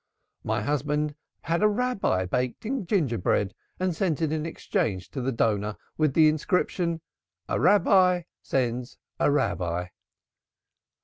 My husband had a Rabbi baked in gingerbread and sent it in exchange to the donor, with the inscription 'A Rabbi sends a Rabbi.'"